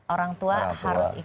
orang tua harus ikut